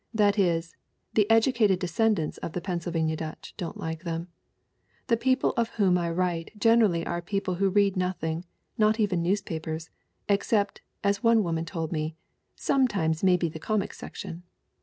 That is, the educated descendants of the Pennsylvania Dutch don't like them. The people of whom I write generally are people who read nothing, not even news papers, except, as one woman told me, 'sometimes meby the comic section.'